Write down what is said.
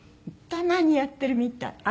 たまにやってるみたい。